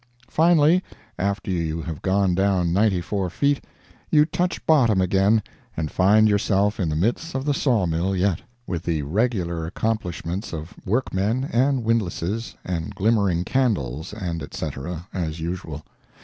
Finally, after you have gone down ninety four feet, you touch bottom again and find yourself in the midst of the saw mill yet, with the regular accomplishments of workmen, and windlasses, and glimmering candles and cetera, as usual.